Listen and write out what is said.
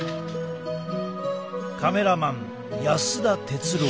カメラマン安田哲郎。